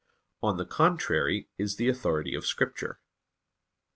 On the contrary, Is the authority of Scripture.